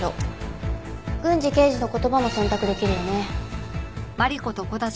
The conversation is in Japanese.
郡司刑事の言葉も選択できるよね。